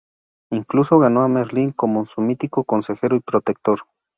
Incluso ganó a Merlín como su mítico consejero y protector.